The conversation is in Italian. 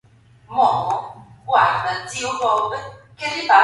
Favoriti i sogni ad occhi aperti e l’ironica.